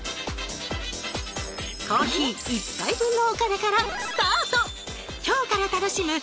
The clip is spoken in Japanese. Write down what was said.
コーヒー１杯分のお金からスタート！